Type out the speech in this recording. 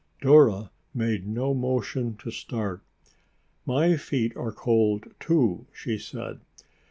Dora made no motion to start. "My feet are cold, too," she said.